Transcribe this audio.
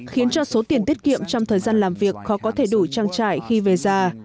khiến cho số tiền tiết kiệm trong thời gian làm việc khó có thể đủ trang trải khi về già